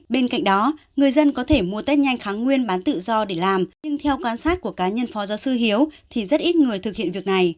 bên cạnh đó người dân có thể mua tết nhanh kháng nguyên bán tự do để làm nhưng theo quan sát của cá nhân phó giáo sư hiếu thì rất ít người thực hiện việc này